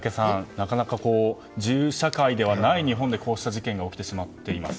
なかなか銃社会ではない日本でこうした事件が起きてしまっています。